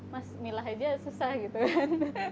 mas milah aja susah gitu kan